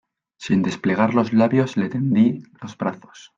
sin desplegar los labios le tendí los brazos.